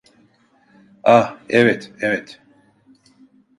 Ah, evet, evet.